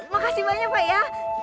makasih banyak pak ya